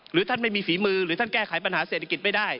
ท่านไม่มีฝีมือหรือท่านแก้ไขปัญหาเศรษฐกิจไม่ได้